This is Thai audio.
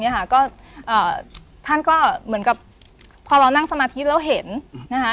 เนี่ยค่ะก็อ่าท่านก็เหมือนกับพอเรานั่งสมาธิแล้วเห็นนะคะ